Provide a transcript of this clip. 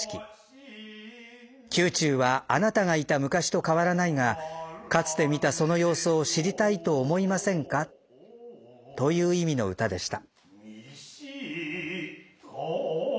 「宮中はあなたがいた昔と変わらないがかつて見たその様子を知りたいと思いませんか」という意味の歌でした。